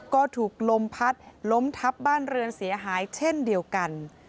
ก็ถูกลมพัดล้มทับบ้านเรือนเสียหายเช่นเดียวกัน